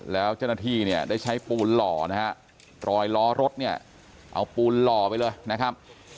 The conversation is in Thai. แล้วเจ้าหน้าที่เนี่ยได้ใช้ปูนหล่อนะฮะรอยล้อรถเนี่ยเอาปูนหล่อไปเลยนะครับ